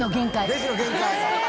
レジの限界